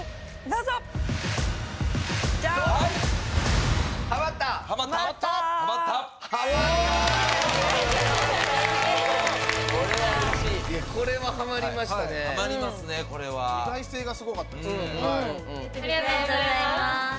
ありがとうございます！